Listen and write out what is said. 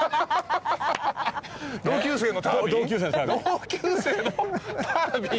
同級生のタービン？